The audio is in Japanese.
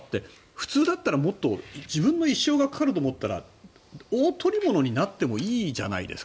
普通だったら自分の一生がかかると思ったら大捕物になってもいいじゃないですか。